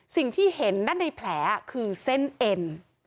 สิ่งที่เห็นนั่นในแผลคือเส้นเอ็น